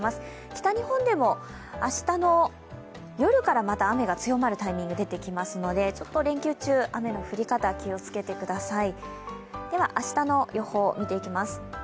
北日本でも明日の夜からまた雨が強まるタイミングが出てきますのでちょっと連休中、雨の降り方、気をつけてください。